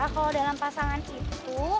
kalau dalam pasangan itu